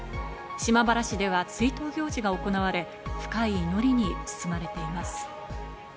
島原市では追悼行事が行われ、深い祈りに包まれています。